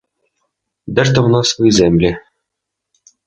Де ж там у нас свої землі?